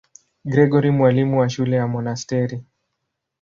Gregori, mwalimu wa shule ya monasteri.